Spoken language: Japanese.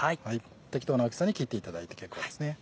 適当な大きさに切っていただいて結構ですね。